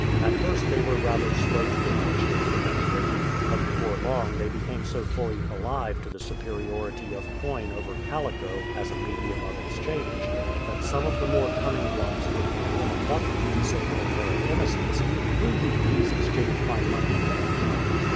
At first they were rather slow to appreciate the benefit, but before long they became so fully alive to the superiority of coin over calico as a medium of exchange that some of the more cunning ones would hand in a button and say with an air of innocence, " Will you please exchange my money